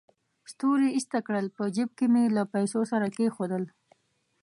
ستوري ایسته کړل، په جېب کې مې له پیسو سره کېښودل.